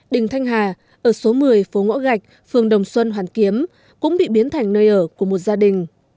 đình thanh hà ở số một mươi phố ngoạch phường đồng xuân hoàn kiếm cũng bị biến thành nơi ở của một gia đình